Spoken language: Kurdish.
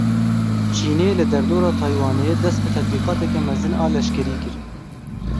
Çînê li derdora Taywanê dest bi tetbîqateke mezin a leşkerî kir.